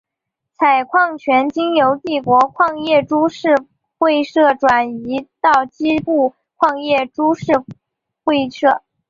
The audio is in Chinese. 采矿权经由帝国矿业株式会社转移到矶部矿业株式会社。